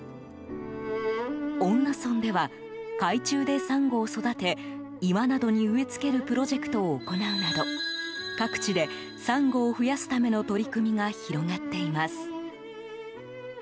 恩納村では、海中でサンゴを育て岩などに植え付けるプロジェクトを行うなど各地で、サンゴを増やすための取り組みが広がっています。